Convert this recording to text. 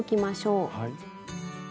はい。